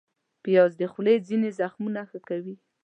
پیاز د خولې ځینې زخمونه ښه کوي